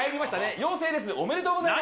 陽性です。おめでとうございます。